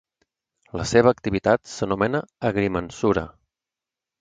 La seva activitat s'anomena agrimensura.